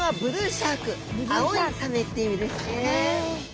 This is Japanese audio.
「青いサメ」って意味ですね。